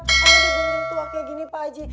kalau digendung tua kayak gini pak haji